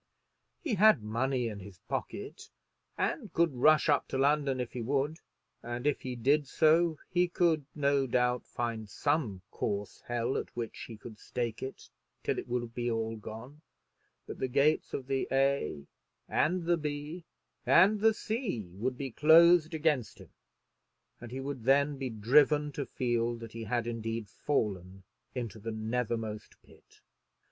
He had money in his pocket, and could rush up to London if he would, and if he did so he could, no doubt, find some coarse hell at which he could stake it till it would be all gone; but the gates of the A and the B and the C would be closed against him; and he would then be driven to feel that he had indeed fallen into the nethermost pit.